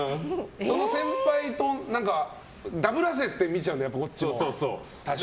その先輩とダブらせて見ちゃう、こっちを多少。